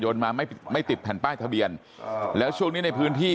มาไม่ไม่ติดแผ่นป้ายทะเบียนแล้วช่วงนี้ในพื้นที่